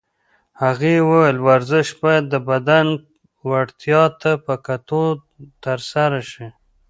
هغې وویل ورزش باید د بدن وړتیاوو ته په کتو ترسره شي.